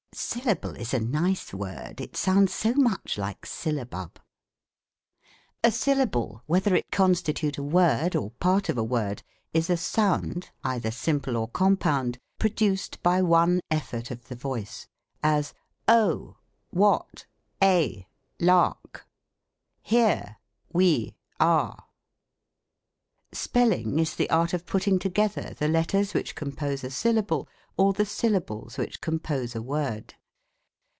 Syllable is a nice word, it sounds so much like syllabub ! A syllable, whether it constitute a word or part of a word, is a sound, either simple or compound, produced by one effort of the voice, as, " O !, what, a, lavk !— Here, we, are !" Spelling is the art of putting together the letters which compose a syllable, or the syllables which com pose a word.